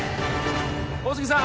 大杉さん！